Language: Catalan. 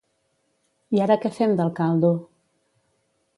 I ara què fem del caldo?